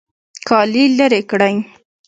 کالي لرې کړئ